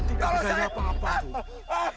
tidak ada gaya apa apa